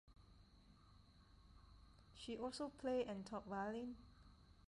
She also played and taught violin.